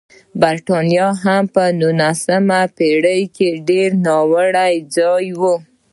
برېټانیا هم په نولسمه پېړۍ کې ډېر ناوړه ځای و.